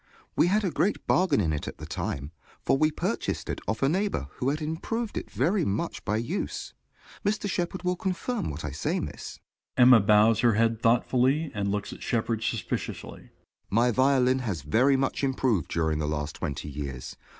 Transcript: We had a great bargain in it at the time, for we purchased it of a neighbor who had improved it very much by use. Mr. Shepard will confirm what I say, Miss. (Emma bows her head thoughtfully, and looks at Shepard suspiciously.) JOHN S. My violin has very much improved during the last twenty years.